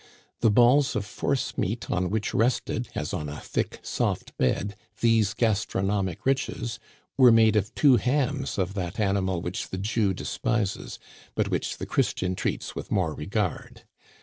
The balls of force meat on which rested, as on a thick, soft bed, these gastronomic riches, were made of two hams of that animal which the Jew despises, but which the Christian treats with more regard.